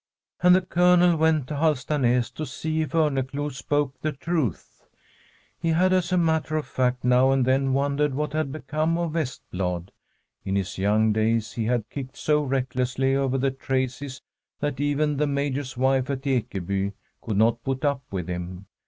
And the Colonel went to Halstanas to see if Omeclou spoke the truth. He had, as a matter of fact, now and then wondered what had become of Vestblad ; in his young days he had kicked so recklessly over the traces that even the Major's wife at Ekeby could not put up with him.